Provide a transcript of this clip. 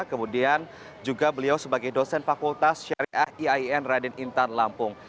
kemudian juga beliau sebagai dosen fakultas syariah iain raden intan lampung